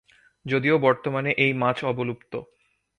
যদিও বর্তমানে এই মাছ অবলুপ্ত।